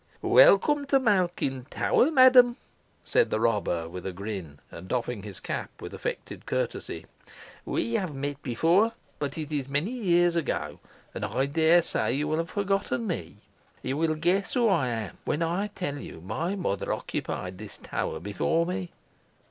"Welcome to Malkin Tower, madam," said the robber with a grin, and doffing his cap with affected courtesy. "We have met before, but it is many years ago, and I dare say you have forgotten me. You will guess who I am when I tell you my mother occupied this tower before me."